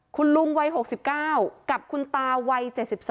คุณลุงวัย๖๙กับคุณตาวัย๗๒